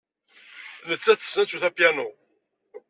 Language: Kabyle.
Nettat tessen ad twet apyanu.